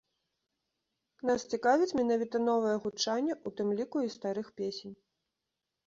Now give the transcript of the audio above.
Нас цікавіць менавіта новае гучанне, у тым ліку, і старых песень.